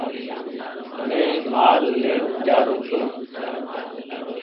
مينٚ مآل لين جآرو ڇوٚنٚ